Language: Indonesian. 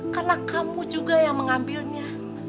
karena kamu juga yang mengambilnya